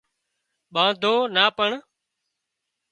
ٻانڌو نا پڻ